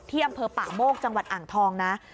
อำเภอป่าโมกจังหวัดอ่างทองนะ